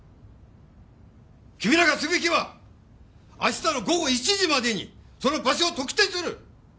君らがすべきは明日の午後１時までにその場所を特定する！